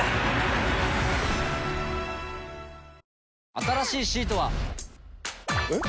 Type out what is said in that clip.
新しいシートは。えっ？